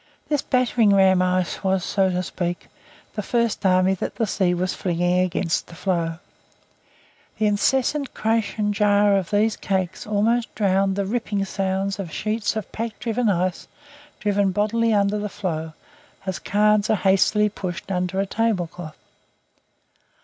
This battering ram ice was, so to speak, the first army that the sea was flinging against the floe. The incessant crash and jar of these cakes almost drowned the ripping sound of sheets of pack ice driven bodily under the floe as cards are hastily pushed under a tablecloth.